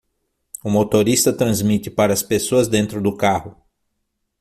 O motorista transmite para as pessoas dentro do carro